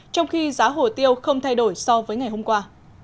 trong khi giá hồ tiêu không thay đổi so với ngày hôm qua